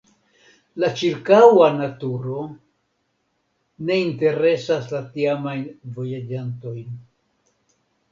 La ĉirkaŭa naturo ne interesas la tiamajn vojaĝantojn.